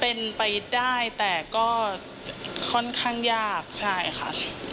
เป็นไปได้แต่ก็ค่อนข้างยากใช่ค่ะ